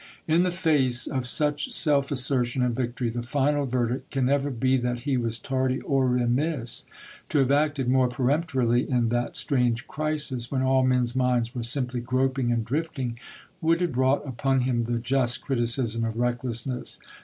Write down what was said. In the face of such self assertion and victory, the final verdict can never be that he was tardy or remiss ; to have acted more peremptorily in that strange crisis, when all men's minds were simply groping and drifting, would have brought upon him the just criticism of recklessness.